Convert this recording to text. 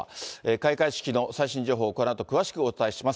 開会式の最新情報、このあと詳しくお伝えします。